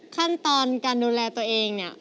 ขั้นตอนการดูแลตัวเองเนี่ย